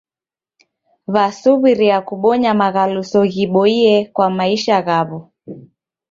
W'asuw'iria kubonya maghaluso ghiboie kwa maisha ghaw'o.